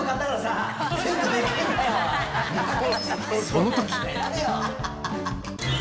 その時！